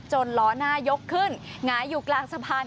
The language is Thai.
ล้อหน้ายกขึ้นหงายอยู่กลางสะพาน